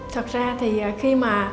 thật ra thì khi mà